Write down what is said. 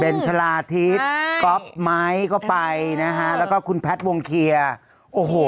เบนสลาทิตย์ครับไมค์ก็ไปนะฮะแล้วก็คุณแพทย์วงเคียร์โอ้โห